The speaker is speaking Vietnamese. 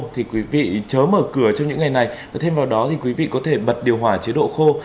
thì quý vị chớ mở cửa trong những ngày này và thêm vào đó thì quý vị có thể bật điều hỏa chế độ khô